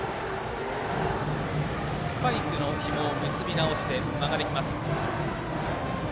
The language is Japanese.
スパイクのひもを結び直して間ができます。